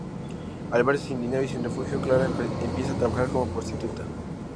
Al verse sin dinero y sin refugio, Clara empieza a trabajar como prostituta.